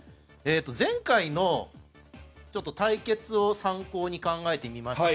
前回の対決を参考に考えてみました。